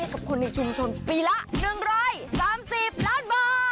กับคนในชุมชนปีละ๑๓๐ล้านบาท